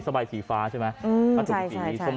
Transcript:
สบายสีฟ้าใช่ไหม